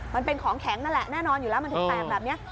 มันเป็นของแข็งนั่นแหละแน่นอนอยู่แล้วมันถึงแตกแบบนี้